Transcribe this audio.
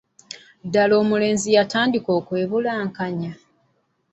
ddaala omulenzi yatandika okwebulankanya.